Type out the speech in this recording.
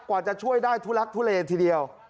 กว่าจะช่วยได้ทุลักทุเลทีเดียว